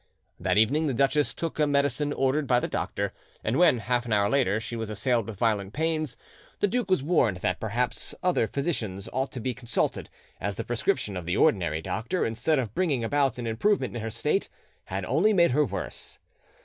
That evening the duchess took a medicine ordered by the doctor; and when, half an hour later, she was assailed with violent pains, the duke was warned that perhaps other physicians ought to be consulted, as the prescription of the ordinary doctor, instead of bringing about an improvement in her state, had only made her worse.